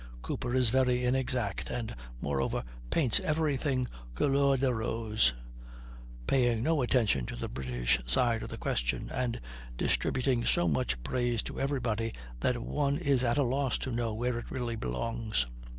Cooper is very inexact, and, moreover, paints every thing couleur de rose, paying no attention to the British side of the question, and distributing so much praise to everybody that one is at a loss to know where it really belongs.